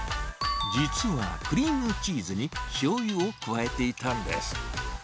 実は、クリームチーズにしょうゆを加えていたんです。